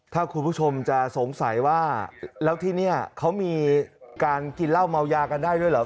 ถ้าคุณผู้ชมจะสงสัยว่าแล้วที่นี่เขามีการกินเหล้าเมายากันได้ด้วยเหรอ